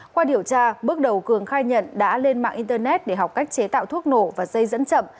qua điều tra bước đầu cường khai nhận đã lên mạng internet để học cách chế tạo thuốc nổ và dây dẫn chậm